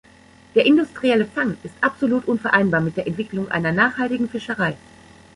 Der industrielle Fang ist absolut unvereinbar mit der Entwicklung einer nachhaltigen Fischerei.